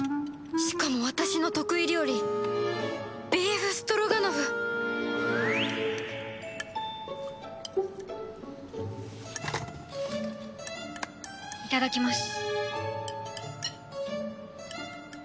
しかも私の得意料理ビーフストロガノフいただきます。